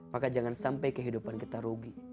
maka jangan sampai kehidupan kita rugi